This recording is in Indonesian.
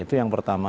itu yang pertama